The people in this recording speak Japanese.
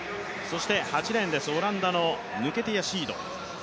８レーンです、オランダのヌケティア・シード。